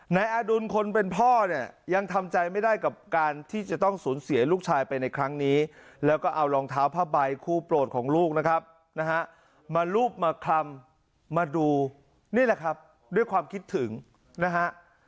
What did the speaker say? นายอดุลคนเป็นพ่อเนี่ยยังทำใจไม่ได้กับการที่จะต้องสูญเสียลูกชายไปในครั้งนี้แล้วก็เอารองเท้าผ้าใบคู่โปรดของลูกนะครับนะฮะมารูปมาคลำมาดูนี่แหละครับด้วยความคิดถึงนะฮะ